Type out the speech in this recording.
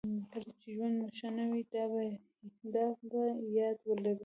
کله چې ژوند مو ښه نه وي دا په یاد ولرئ.